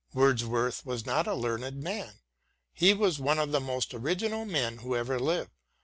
Wordsworth was not a learned man ; he was one of the most original men who ever lived.